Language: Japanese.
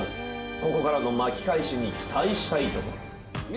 ここからの巻き返しに期待したいところ。